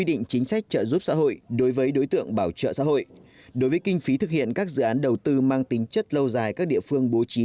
đối với kinh phí thực hiện các dự án đầu tư mang tính chất lâu dài các địa phương bố trí